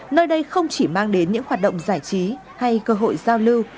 nơi đây không chỉ mang đến những hoạt động giải trí hay cơ hội giao lưu